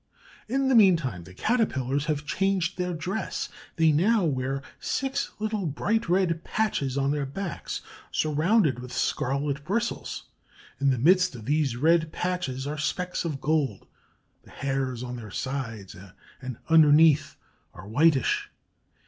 In the meantime the Caterpillars have changed their dress. They now wear six little bright red patches on their backs, surrounded with scarlet bristles. In the midst of these red patches are specks of gold. The hairs on their sides and underneath are whitish.